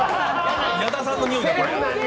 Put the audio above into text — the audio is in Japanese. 矢田さんの匂い。